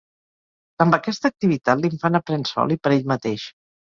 Amb aquesta activitat l'infant aprèn sol i per ell mateix.